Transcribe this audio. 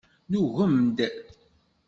Nugem-d.